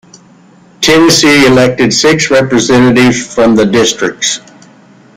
Tennessee elected six representatives from districts.